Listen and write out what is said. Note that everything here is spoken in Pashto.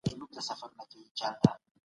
هغوی په اقتصادي برخو کې پرمختګ کوي.